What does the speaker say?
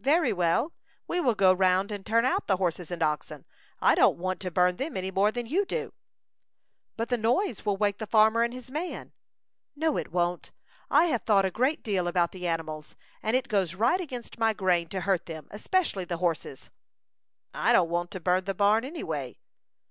"Very well; we will go round and turn out the horses and oxen. I don't want to burn them any more than you do." "But the noise will wake the farmer and his man." "No, it won't. I have thought a great deal about the animals, and it goes right against my grain to hurt them, especially the horses." "I don't want to burn the barn, any way."